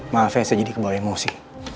maaf saya jadi kebawa emosi